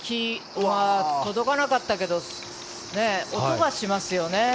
届かなかったけど音がしますよね。